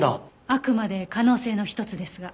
あくまで可能性の一つですが。